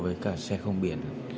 với cả xe không biển